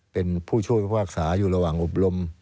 เป็นผู้ช่วยพิพากษาอยู่ระหว่างอบรม